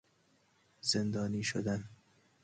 زندانی شدن